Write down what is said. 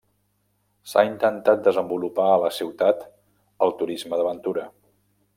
S'ha intentat desenvolupar a la ciutat el turisme d'aventura.